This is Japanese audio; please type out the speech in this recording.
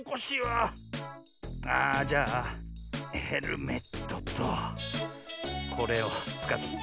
ああじゃあヘルメットとこれをつかって。